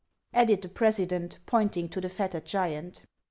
" added the president, pointing to the fettered giant.